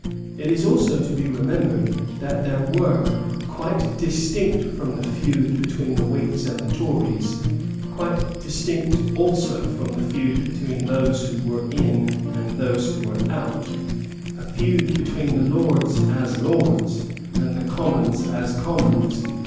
It is also to be remembered that there was, quite distinct from the feud between Whigs and Tories, quite distinct also from the feud between those who were in and those who were out, a feud between the Lords as Lords and the Commons as Commons.